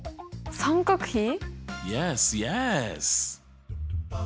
三角比？